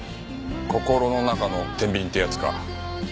心の中の天秤ってやつか。